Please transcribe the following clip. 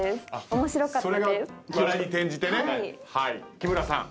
木村さん。